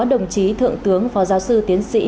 đồng chí thượng tướng phó giáo sư tiến sĩ